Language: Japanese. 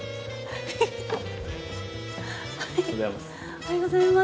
おはようございます